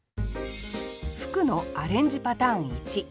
「吹く」のアレンジパターン１。